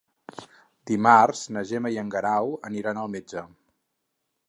Dimarts na Gemma i en Guerau aniran al metge.